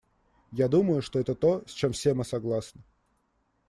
Я думаю, что это то, с чем все мы согласны.